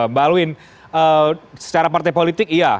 mbak alwin secara partai politik iya